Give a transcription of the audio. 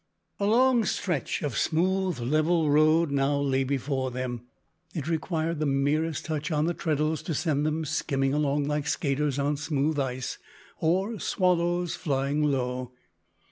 A long stretch of smooth level road now lay before them. It required the merest touch on the treadles to send them skimming along like skaters on smooth ice, or swallows flying low.